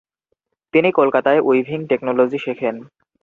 তিনি কলকাতায় weaving technology শেখেন।